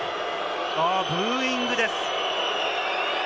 ブーイングです。